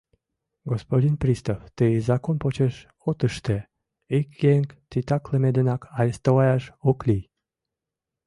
Господин пристав, тый закон почеш от ыште: ик еҥ титаклыме денак арестоваяш ок лий.